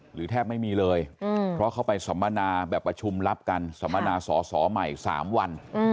แทบไม่มีเลยเพราะเขาไปสัมมนาแบบประชุมรับกันสัมมนาสอสอใหม่๓วัน